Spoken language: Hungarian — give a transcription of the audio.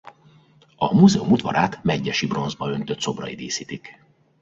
A múzeum udvarát Medgyessy bronzba öntött szobrai díszítik.